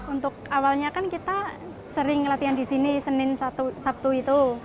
untuk awalnya kan kita sering latihan di sini senin sabtu itu